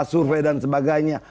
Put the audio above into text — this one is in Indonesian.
survei dan sebagainya